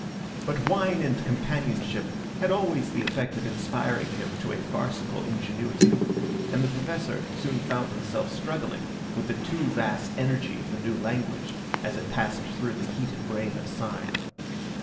But wine and companionship had always the effect of inspiring him to a farcical ingenuity, and the Professor soon found himself struggling with the too vast energy of the new language, as it passed through the heated brain of Syme.